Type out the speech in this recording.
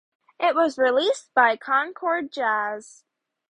It was released by Concord Jazz.